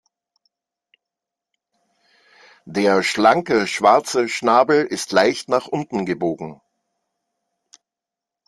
Der schlanke schwarze Schnabel ist leicht nach unten gebogen.